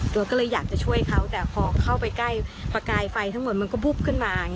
ก็เลยอยากจะช่วยเขาแต่พอเข้าไปใกล้ประกายไฟทั้งหมดมันก็บุ๊บขึ้นมา